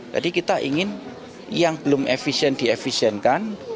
jadi kita ingin yang belum efisien diefisienkan